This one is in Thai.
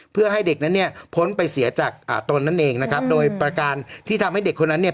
เพื่อให้เด็กนั้นเนี่ยพ้นไปเสียจากอ่าตนนั่นเองนะครับโดยประการที่ทำให้เด็กคนนั้นเนี่ย